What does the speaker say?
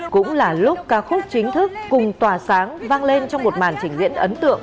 cũng là lúc ca khúc chính thức cùng tỏa sáng vang lên trong một màn trình diễn ấn tượng